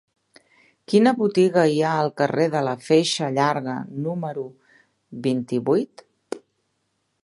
Quina botiga hi ha al carrer de la Feixa Llarga número vint-i-vuit?